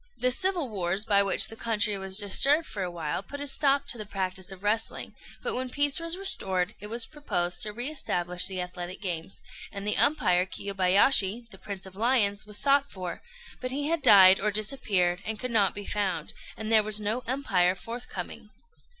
] The civil wars by which the country was disturbed for a while put a stop to the practice of wrestling; but when peace was restored it was proposed to re establish the athletic games, and the umpire Kiyobayashi, the "Prince of Lions," was sought for; but he had died or disappeared, and could not be found, and there was no umpire forthcoming.